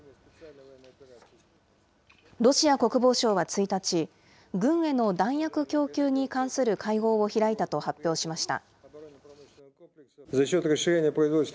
ロシア国防省は１日、軍への弾薬供給に関する会合を開いたと発表しました。